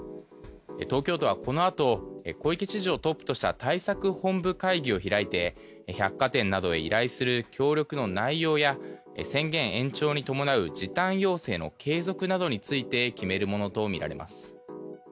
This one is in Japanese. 東京都はこのあと小池知事をトップとした対策本部会議を開いて百貨店などへ依頼する協力の内容や宣言延長に伴う時短要請の継続などについて決めるものとみられます。